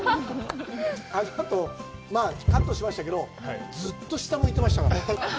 あのあと、カットしましたけど、ずっと下向いてましたから。